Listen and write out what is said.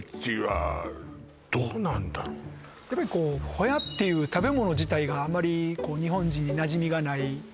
ホヤっていう食べ物自体があまり日本人になじみがない食べ物